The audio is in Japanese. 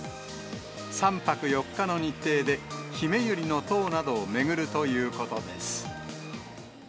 ３泊４日の日程で、ひめゆりの塔などを巡るということです。